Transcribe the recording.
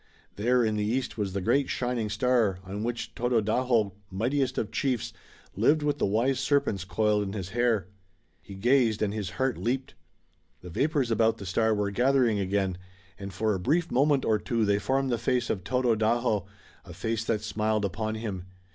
There in the east was the great shining star, on which Tododaho, mightiest of chiefs, lived with the wise serpents coiled in his hair. He gazed and his heart leaped. The vapors about the star were gathering again, and for a brief moment or two they formed the face of Tododaho, a face that smiled upon him.